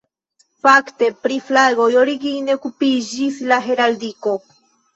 Fakte pri flagoj origine okupiĝis la heraldiko.